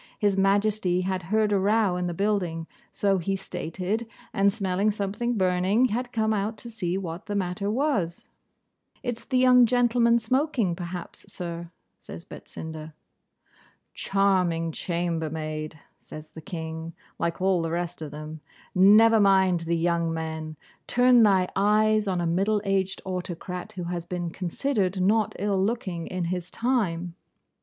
His Majesty had heard a row in the building, so he stated, and smelling something burning, had come out to see what the matter was. 'It's the young gentlemen smoking, perhaps, sir,' says Betsinda. 'Charming chambermaid,' says the King (like all the rest of them), 'never mind the young men! Turn thy eyes on a middle aged autocrat, who has been considered not ill looking in his time.